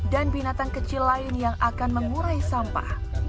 dan binatang kecil lain yang akan mengurai sampah